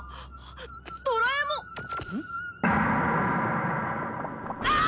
ドラえもんっ！？